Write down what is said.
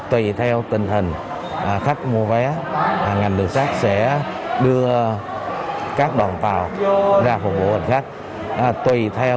tùy theo tình hình khách mua vé ngành đường sát sẽ đưa các đoàn tàu ra phục vụ hành khách tùy theo